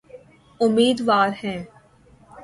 امیدوار ہے۔